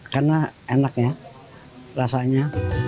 karena enak ya rasanya